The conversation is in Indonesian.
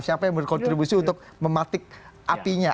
siapa yang berkontribusi untuk mematik apinya